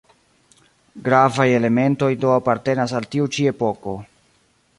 Gravaj elementoj do apartenas al tiu ĉi epoko.